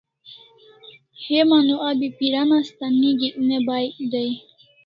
Heman o abi piran asta nigi'k ne bahik dai